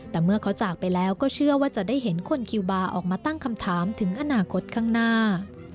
แต่เมื่อเขาจากไปแล้วก็เชื่อว่าจะได้เห็นคนคิวบาร์ออกมาตั้งคำถามถึงอนาคตข้างหน้า